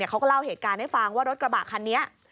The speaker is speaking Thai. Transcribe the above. เขาก็เล่าเหตุการณ์ให้ฟังว่ารถกระบะคันนี้